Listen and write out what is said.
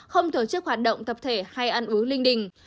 không tổ chức hoạt động tập thể hay ăn uống linh đình